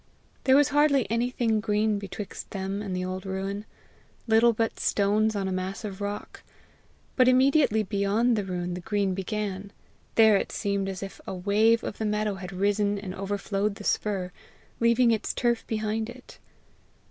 There was hardly anything green betwixt them and the old ruin little but stones on a mass of rock; but immediately beyond the ruin the green began: there it seemed as if a wave of the meadow had risen and overflowed the spur, leaving its turf behind it.